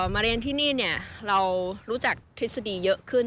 มาเรียนที่นี่เรารู้จักทฤษฎีเยอะขึ้น